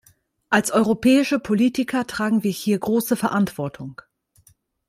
Als europäische Politiker tragen wir hier große Verantwortung.